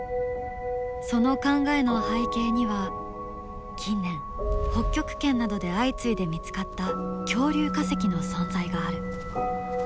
その考えの背景には近年北極圏などで相次いで見つかった恐竜化石の存在がある。